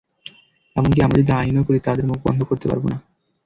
এমনকি আমরা যদি আইনও করি, তাদের মুখ বন্ধ করতে পারব না।